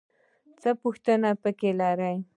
څه پوښتنه پکې لرې؟